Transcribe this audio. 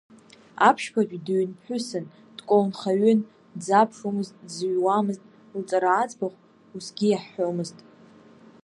Аԥшьбатәи дыҩн ԥҳәысын, дколнхаҩын, дзаԥхьомызт, дзыҩуамызт, лҵара аӡбахә усгьы иаҳҳәомызт.